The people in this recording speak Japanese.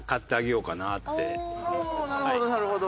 なるほどなるほど。